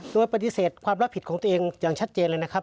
โดยปฏิเสธความรับผิดของตัวเองอย่างชัดเจนเลยนะครับ